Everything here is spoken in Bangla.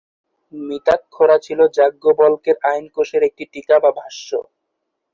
মিতাক্ষরা ছিল যাজ্ঞবল্ক্যের আইনকোষের একটি টীকা বা ভাষ্য।